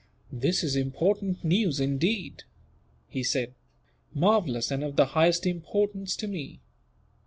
"This is important news, indeed," he said; "marvellous, and of the highest importance to me.